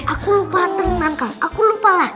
aku lupa temen temen kak aku lupa lagi